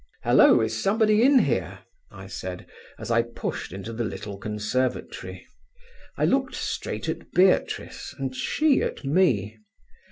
"'Hello, is somebody in here?' I said, as I pushed into the little conservatory. "I looked straight at Beatrice, and she at me.